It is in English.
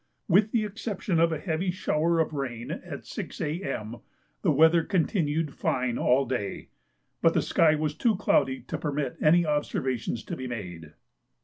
With the exception of a heavy shower of rain at 6 A.M., the weather continued fine all day, but the sky was too cloudy to permit any observations to be made.